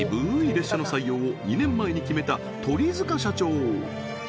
列車の採用を２年前に決めた鳥塚社長